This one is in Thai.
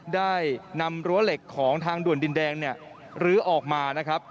ได้นำรั้วเหล็กของทางด่วนดินแดงเนี่ยลื้อออกมานะครับ